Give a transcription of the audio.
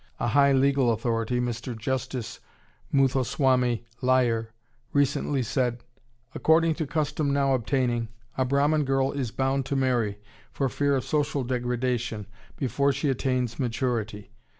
A high legal authority, Mr. Justice Moothoswami Iyer, recently said, "According to custom now obtaining, a Brahmin girl is bound to marry, for fear of social degradation, before she attains maturity.